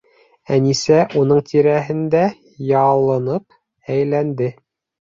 Әнисә уның тирәһендә ялынып әйләнде.